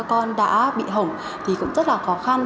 con đã bị hỏng thì cũng rất là khó khăn